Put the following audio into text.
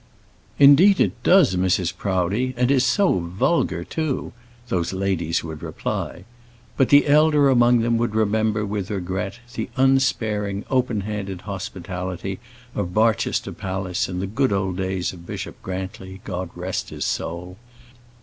"Indeed it does, Mrs. Proudie; and is so vulgar too!" those ladies would reply. But the elder among them would remember with regret the unsparing, open handed hospitality of Barchester palace in the good old days of Bishop Grantly God rest his soul!